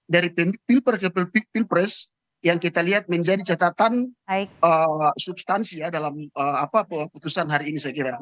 dari pilpres ke pilpres yang kita lihat menjadi catatan substansi ya dalam putusan hari ini saya kira